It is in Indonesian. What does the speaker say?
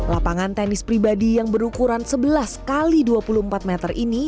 lapangan tenis pribadi yang berukuran sebelas x dua puluh empat meter ini